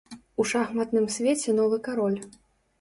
У шахматным свеце новы кароль.